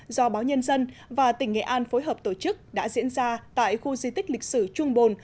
do báo nhân dân và tỉnh nghệ an phối hợp tổ chức đã diễn ra tại khu di tích lịch sử trung bồn